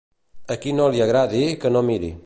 A qui no li agradi, que no miri.